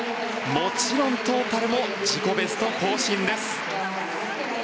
もちろん、トータルも自己ベスト更新です。